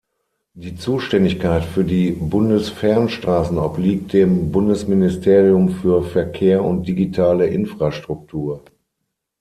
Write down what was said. Die Zuständigkeit für die Bundesfernstraßen obliegt dem Bundesministerium für Verkehr und digitale Infrastruktur.